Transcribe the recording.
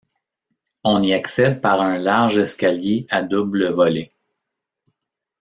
On y accède par un large escalier à double volée.